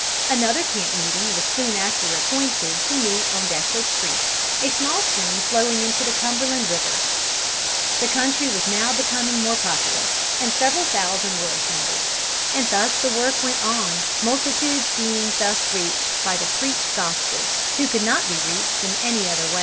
Another camp meeting was soon after appointed to meet on Desha's Creek, a small stream flowing into the Cumberland river. The country was now becoming more populous, and several thousand were assembled. And thus the work went on, multitudes being thus reached by the preached Gospel who could not be reached in any other way.